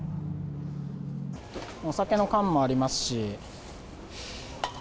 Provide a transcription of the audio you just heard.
お酒の缶もありますし。